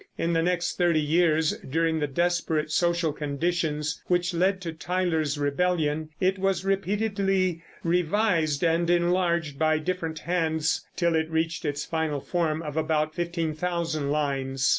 In the next thirty years, during the desperate social conditions which led to Tyler's Rebellion, it was repeatedly revised and enlarged by different hands till it reached its final form of about fifteen thousand lines.